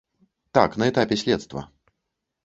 Так, на этапе следства.